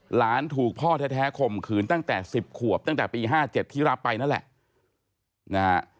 ฉะนั้นถูกพ่อแท้ข่มขืนตั้งแต่๑๐ขวบตั้งแต่ปี๕๗ทิราบไปนั่นแหละ